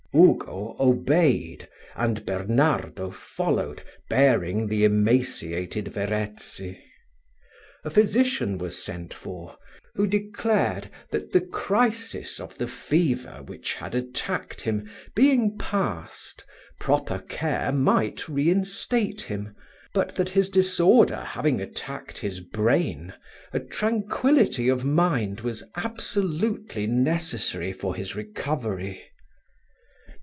Ugo obeyed, and Bernardo followed, bearing the emaciated Verezzi. A physician was sent for, who declared, that the crisis of the fever which had attacked him being past, proper care might reinstate him; but that the disorder having attacked his brain, a tranquillity of mind was absolutely necessary for his recovery.